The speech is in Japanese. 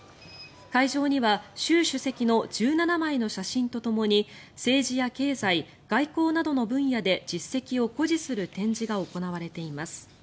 会場には習主席の１７枚の写真とともに政治や経済、外交などの分野で実績を誇示する展示が行われています。